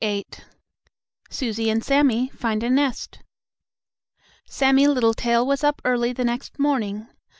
VIII SUSIE AND SAMMIE FIND A NEST Sammie Littletail was up early the next morning.